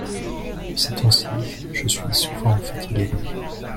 ces temps-ci je suis souvent fatigué.